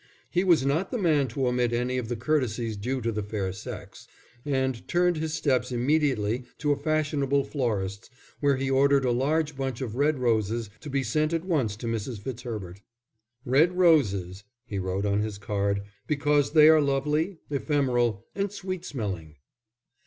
He was not the man to omit any of the courtesies due to the fair sex, and turned his steps immediately to a fashionable florist's, where he ordered a large bunch of red roses to be sent at once to Mrs. Fitzherbert. "Red roses," he wrote on his card, "because they are lovely, ephemeral, and sweet smelling!"